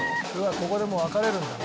ここでもう分かれるんだな。